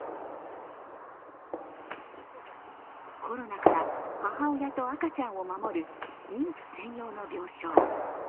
コロナから母親と赤ちゃんを守る妊婦専用の病床。